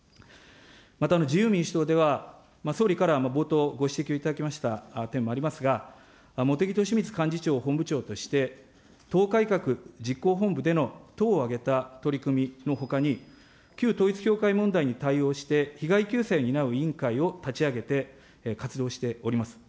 また、自由民主党では、総理から冒頭、ご指摘を頂きました点もありますが、茂木敏充幹事長を本部長として、党改革実行本部での党を挙げて取り組みのほかに、旧統一教会問題に対応して、被害救済を担う委員会を立ち上げて活動しております。